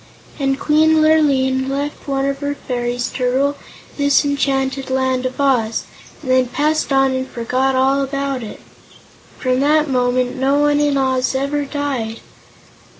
And Queen Lurline left one of her fairies to rule this enchanted Land of Oz, and then passed on and forgot all about it. From that moment no one in Oz ever died.